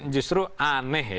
justru aneh ya